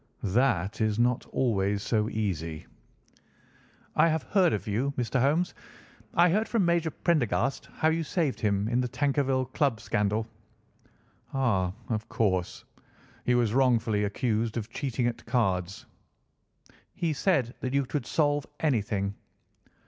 "That is not always so easy." "I have heard of you, Mr. Holmes. I heard from Major Prendergast how you saved him in the Tankerville Club scandal." "Ah, of course. He was wrongfully accused of cheating at cards." "He said that you could solve anything."